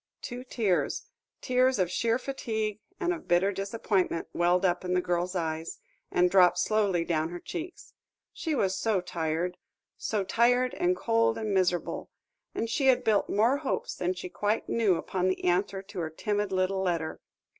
Two tears, tears of sheer fatigue and of bitter disappointment, welled up in the girl's eyes, and dropped slowly down her cheeks. She was so tired so tired and cold and miserable and she had built more hopes than she quite knew upon the answer to her timid little letter.